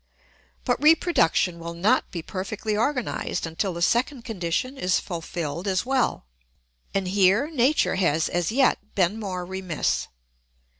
But reproduction will not be perfectly organised until the second condition is fulfilled as well, and here nature has as yet been more remiss.